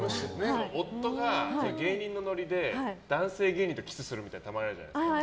夫が芸人のノリで男性芸人とキスするとかあるじゃないですか。